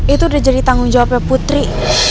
itu udah jadi tanggung jawabnya putri